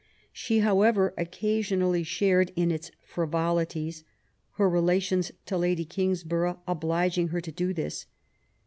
She, however, occasionally shared in its frivolities, her relations to Lady Kingsborough obliging her to do this.